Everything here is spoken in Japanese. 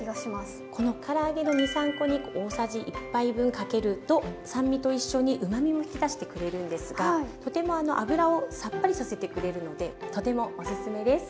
このから揚げの２３コに大さじ１杯分かけると酸味と一緒にうまみも引き出してくれるんですがとても油をさっぱりさせてくれるのでとてもおすすめです。